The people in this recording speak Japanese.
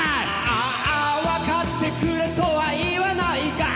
「あーわかってくれとは言わないが」